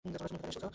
তুমি ভিতরে এসেছো?